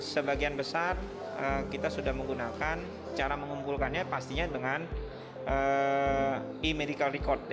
sebagian besar kita sudah menggunakan cara mengumpulkannya pastinya dengan e medical record